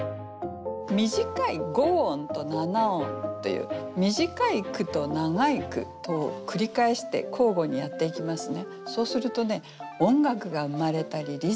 短い五音と七音という短い句と長い句とを繰り返して交互にやっていきますね。